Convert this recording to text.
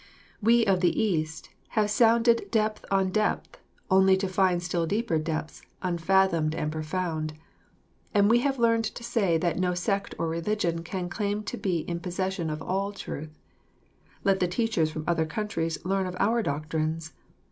We of the East "have sounded depth on depth only to find still deeper depths unfathomed and profound," and we have learned to say that no sect or religion can claim to be in possession of all the Truth. Let the teachers from other countries learn of our doctrines.